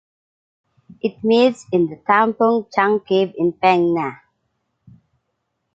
It meets in the Tham Phung Chang cave in Phang Nga.